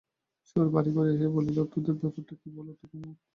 সুর ভারী করিয়া সে বলিল, তোর ব্যাপারটা কী বল তো কুমুদ?